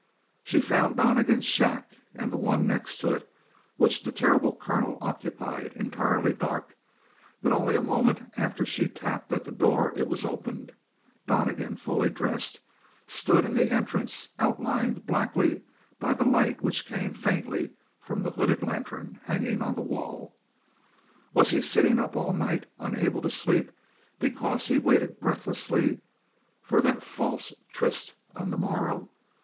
She found Donnegan's shack and the one next to it, which the terrible colonel occupied, entirely dark, but only a moment after she tapped at the door it was opened. Donnegan, fully dressed, stood in the entrance, outlined blackly by the light which came faintly from the hooded lantern hanging on the wall. Was he sitting up all the night, unable to sleep because he waited breathlessly for that false tryst on the morrow?